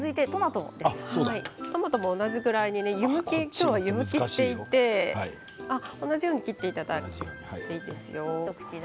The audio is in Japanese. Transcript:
トマトも同じぐらいで今日は湯むきしていますが同じように切っていただいていいですよ。